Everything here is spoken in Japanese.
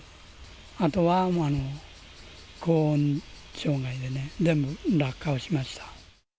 あとは高温障害でね、全部落果をしました。